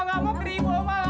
nggak mau keribu ma